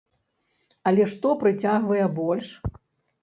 Але што прыцягвае больш?